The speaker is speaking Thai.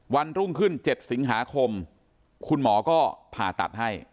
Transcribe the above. วันรุ่งขึ้น๗สิงหาคมคุณหมอก็ผ่าตัดให้